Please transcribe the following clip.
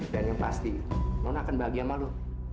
dan yang pasti nona akan bahagia sama lu